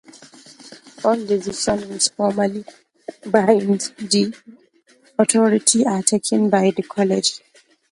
All decisions which formally bind the Authority are taken by the College.